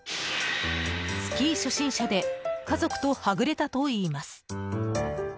スキー初心者で家族とはぐれたといいます。